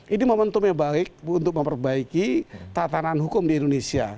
ini momentum yang baik untuk memperbaiki tatanan hukum di indonesia